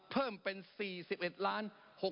เพิ่มเป็น๔๑ล้าน